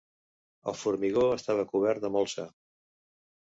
El formigó estava cobert de molsa.